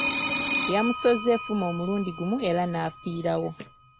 Yamusozze effumu omulundi gumu era n'afiirawo.